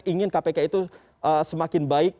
ingin kpk itu semakin baik